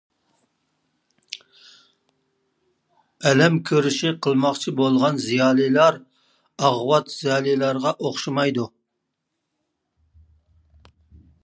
ئەلەم كۈرىشى قىلماقچى بولغان زىيالىيلار ئاغۋات زىيالىيلارغا ئوخشىمايدۇ.